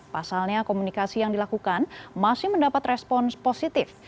pasalnya komunikasi yang dilakukan masih mendapat respons positif